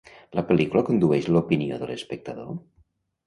La pel·lícula condueix l'opinió de l'espectador?